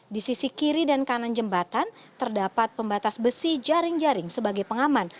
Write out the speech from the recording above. di sisi kiri dan kanan jembatan terdapat pembatas besi jaring jaring sebagai pengaman